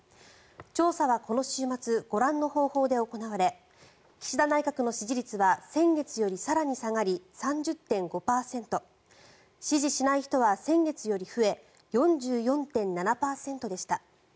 調査はこの週末ご覧の方法で行われ岸田内閣の支持率は先月より更に下がり３０．５％支持しない人は先月より増え４４．７％でした。